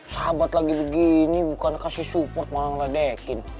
sahabat lagi begini bukan kasih support malah ngeradekin